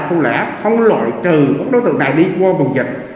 không lẽ không loại trừ các đối tượng nào đi qua vùng dịch